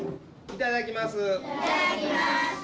いただきます。